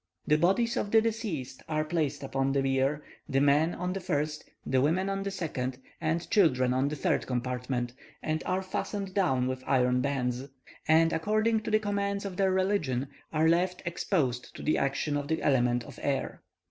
The bodies of the deceased are placed upon the bier, the men on the first, the women on the second, and children on the third compartment, and are fastened down with iron bands; and, according to the commands of their religion, are left exposed to the action of the element of air.